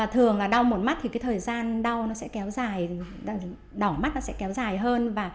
thường đau một mắt thì thời gian đau sẽ kéo dài đỏ mắt sẽ kéo dài hơn